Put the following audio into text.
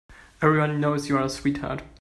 Everybody knows you're a sweetheart.